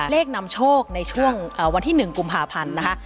นำโชคในช่วงวันที่๑กุมภาพันธ์นะคะ